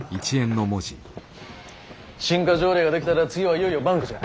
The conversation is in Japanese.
新貨条例が出来たら次はいよいよバンクじゃ。